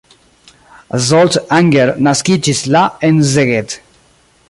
Zsolt Anger naskiĝis la en Szeged.